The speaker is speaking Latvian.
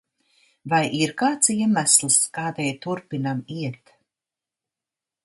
Vai ir kāds iemesls, kādēļ turpinam iet?